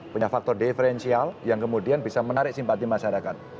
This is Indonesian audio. punya faktor diferensial yang kemudian bisa menarik simpati masyarakat